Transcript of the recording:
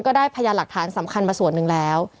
พยานหลักฐานสำคัญมาส่วนหนึ่งแล้ว